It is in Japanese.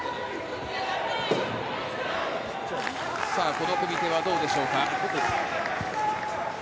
この組み手はどうでしょうか。